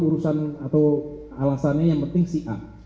urusan atau alasannya yang penting si a